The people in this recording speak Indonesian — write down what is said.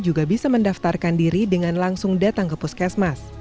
juga bisa mendaftarkan diri dengan langsung datang ke puskesmas